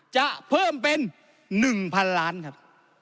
จะเพิ่มเป็น๑๐๐๐ล้านครับ